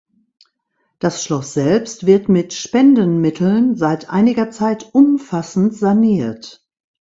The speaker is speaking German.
Das Schloss selbst wird mit Spendenmitteln seit einiger Zeit umfassend saniert.